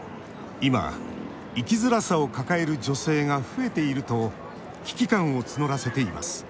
今、生きづらさを抱える女性が増えていると危機感を募らせています